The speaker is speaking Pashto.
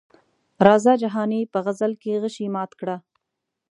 راځه جهاني په غزل کې غشي مات کړه.